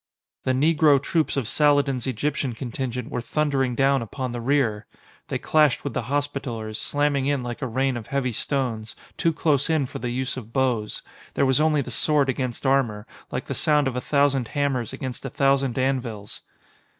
The Negro troops of Saladin's Egyptian contingent were thundering down upon the rear! They clashed with the Hospitallers, slamming in like a rain of heavy stones, too close in for the use of bows. There was only the sword against armor, like the sound of a thousand hammers against a thousand anvils.